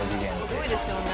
「すごいですよね。